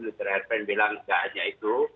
dr herpen bilang tidak hanya itu